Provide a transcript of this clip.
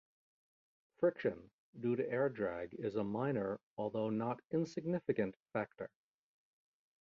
Friction due to air drag is a minor, although not insignificant, factor.